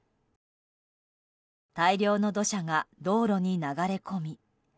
大量の土砂が道路に流れ込み。